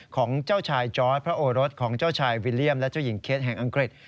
ของเจ้าชายจอร์ดพระโอรสของเจ้าชายวิลเลี่ยมและเจ้าหญิงเคสแห่งอังกฤษ